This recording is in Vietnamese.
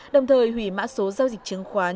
đồng thời hủy mã số giao dịch chứng khoán